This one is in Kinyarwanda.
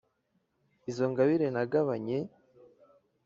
izo ngabire nagabanye’